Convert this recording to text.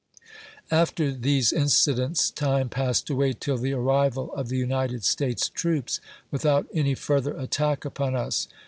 After these incidents, time passed away till the arrival of the United States troops, without any further attack upon us.